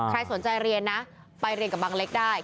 ใครสนใจเรียนนะไปเรียนกับบังเล็กได้